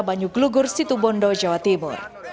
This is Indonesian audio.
banyuglugur situbondo jawa tibur